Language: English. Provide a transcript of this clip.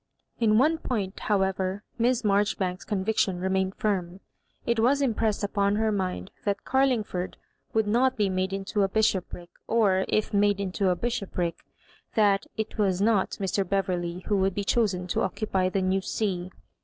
In one point, however, Miss Marjoribanks's conviction remamed firm ; it was impressed upon her mind that Carlmgford would not be made into a bishop ric^ or, if made into a bishopric, that it was not Mr. Beverley who would be chosen to occupy the new see.